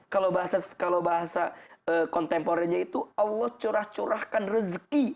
kalau bahasa kontemporernya itu allah curah curahkan rezeki